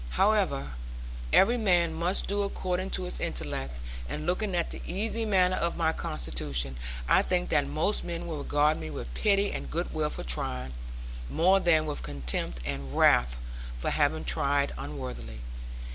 However, every man must do according to his intellect; and looking at the easy manner of my constitution, I think that most men will regard me with pity and goodwill for trying, more than with contempt and wrath for having tried unworthily.